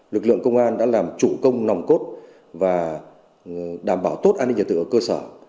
lực lượng công an đã làm chủ công nòng cốt và đảm bảo tốt an ninh nhà tự ở cơ sở